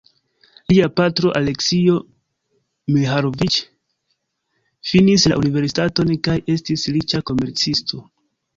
Lia patro "Aleksio Miĥajloviĉ" finis la universitaton kaj estis riĉa komercisto.